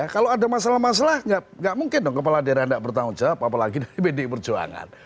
kalau ada masalah masalah nggak mungkin dong kepala daerah tidak bertanggung jawab apalagi dari pdi perjuangan